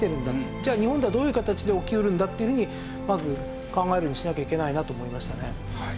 じゃあ日本ではどういう形で起き得るんだ？っていうふうにまず考えるようにしなきゃいけないなと思いましたね。